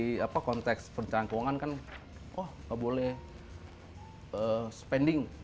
kadang kalau di konteks perencanaan keuangan kan wah nggak boleh spending